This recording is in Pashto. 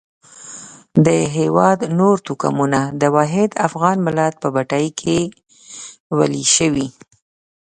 د هېواد نور توکمونه د واحد افغان ملت په بټۍ کې ویلي شوي.